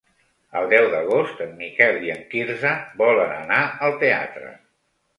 El deu d'agost en Miquel i en Quirze volen anar al teatre.